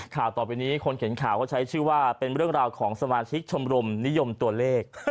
ข่าวต่อไปนี้คนเข็นข่าวเขาใช้ชื่อว่าเป็นเรื่องราวของสมาชิกชมรมนิยมตัวเลข